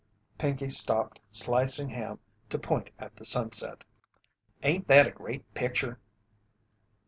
Pinkey stopped slicing ham to point at the sunset. "Ain't that a great picture?"